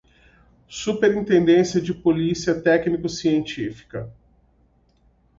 Superintendência de polícia técnico-científica